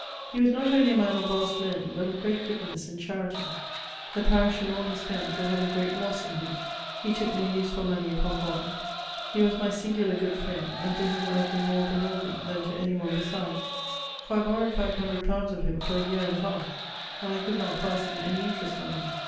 He was not only a man of vast learning, but of great goodnes and charity; the parish and all his friends will have a great losse in him. He tooke no use for money upon bond. He was my singular good friend, and to whom I have been more beholding then to any one beside; for I borrowed five hundred pounds of him for a yeare and a halfe, and I could not fasten any interest on him.